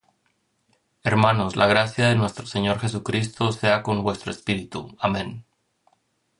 Hermanos, la gracia de nuestro Señor Jesucristo sea con vuestro espíritu. Amén.